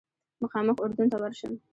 مخامخ اردن ته ورشم.